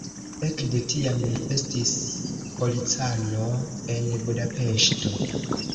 Ekde tiam li estis policano en Budapeŝto.